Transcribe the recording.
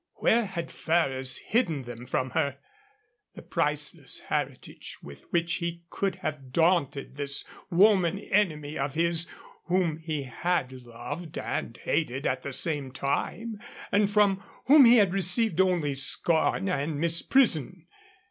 Where had Ferrers hidden them from her? The priceless heritage with which he could have daunted this woman enemy of his whom he had loved and hated at the same time and from whom he had received only scorn and misprision.